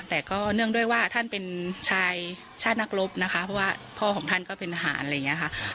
แต่ก็เนื่องด้วยว่าท่านเป็นชายชาตินักรบนะคะเพราะว่าพ่อของท่านก็เป็นทหารอะไรอย่างนี้ค่ะ